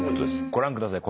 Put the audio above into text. ご覧ください。